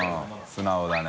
素直だね。